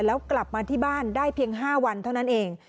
แล้วกลับมาที่บ้านได้เพียง๕วันเท่านั้นเอง